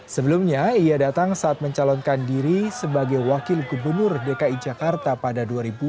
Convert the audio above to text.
sebelumnya ia datang saat mencalonkan diri sebagai wakil gubernur dki jakarta pada dua ribu dua